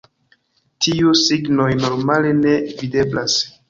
Tiuj signoj normale ne videblas.